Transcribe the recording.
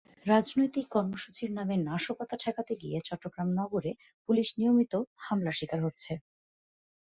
রাজনৈতিক কর্মসূচির নামে নাশকতা ঠেকাতে গিয়ে চট্টগ্রাম নগরে পুলিশ নিয়মিত হামলার শিকার হচ্ছে।